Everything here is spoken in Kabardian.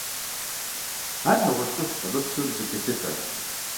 Ар нэгъуэщӏ цӏыхущ, абы псори зэпелъытэ.